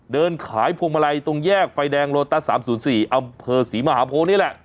เดินขายพวงมาลัยตรงแยกไฟแดงโลตัส๓๐๔อำเภอศรีมหาโพนี่แหละ